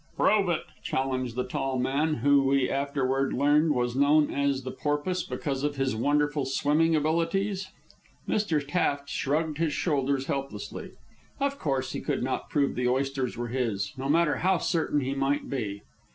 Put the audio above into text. "Prove it," challenged the tall man, who we afterward learned was known as "The Porpoise" because of his wonderful swimming abilities. Mr. Taft shrugged his shoulders helplessly. Of course he could not prove the oysters to be his, no matter how certain he might be.